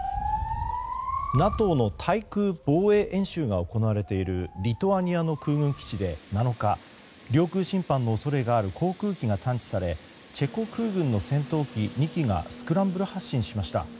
ＮＡＴＯの対空防衛演習が行われているリトアニアの空軍基地で７日領空侵犯の恐れがある航空機が探知されチェコ空軍の戦闘機２機がスクランブル発進しました。